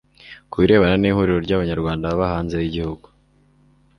Ku birebana n Ihuriro ry Abanyarwanda baba hanze y Igihugu